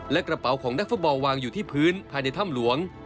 และกระเป๋าของนักฟุตบอลวางอยู่ที่พื้นภายในถ้ำหลวง